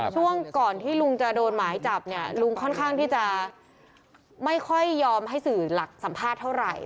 ช่วงก่อนที่ลุงจะโดนหมายจับเนี่ยลุงค่อนข้างที่จะไม่ค่อยยอมให้สื่อหลักสัมภาษณ์เท่าไหร่